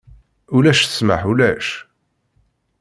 Ulac ssmaḥ, ulac!